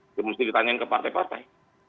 itu mesti ditanyain ke partai partai